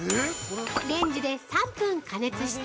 レンジで３分加熱して◆